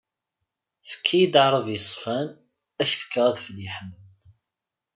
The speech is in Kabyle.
Fki-yid aɛrab yeṣfan, ad ak-fkeɣ adfel yeḥman.